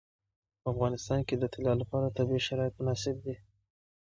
په افغانستان کې د طلا لپاره طبیعي شرایط مناسب دي.